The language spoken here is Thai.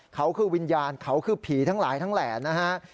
เขาคือวิญญาณเขาคือผีทั้งหลายทั้งแหล่นะฮะ